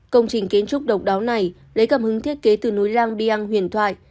công trình kiến trúc độc đáo này lấy cầm hứng thiết kế từ núi lang biang huyền thoại